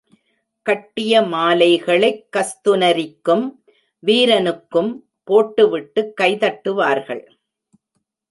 கட்டிய மாலைகளைக் கஸ்துனரிக்கும் வீரனுக்கும் போட்டுவிட்டுக் கை தட்டுவார்கள்.